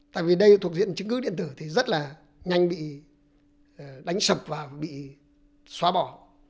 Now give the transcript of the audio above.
tại vì đây thuộc diện chứng cứ điện tử thì rất là nhanh bị đánh sập và bị xóa bỏ